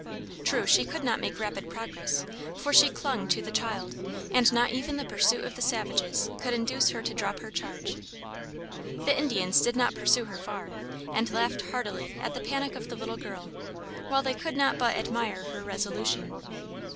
True she could not make rapid progress, for she clung to the child, and not even the pursuit of the savages could induce her to drop her charge. The Indians did not pursue her far, and laughed heartily at the panic of the little girl, while they could not but admire her resolution.